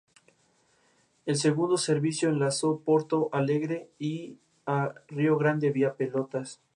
El segundo servicio enlazó Porto Alegre a Rio Grande vía Pelotas.